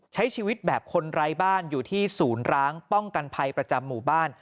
ใช้ชีวิตแบบคนไร้บ้านอยู่ที่ศูนย์ร้างป้องกันภัยประจำหมู่บ้าน